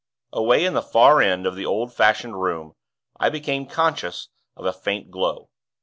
Away in the far end of the huge old fashioned room, I became conscious of a faint glow.